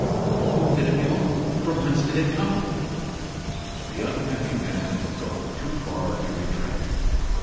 To whom did it belong? From whence did it come?" The unhappy man had gone too far to retract.